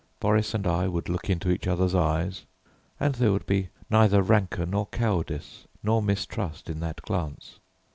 Boris and I would look into each other's eyes, and there would be neither rancour nor cowardice nor mistrust in that glance.